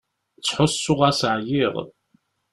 Ttḥussuɣ-as ɛyiɣ.